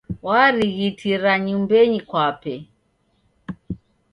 Warighitira nyumbenyi kwape.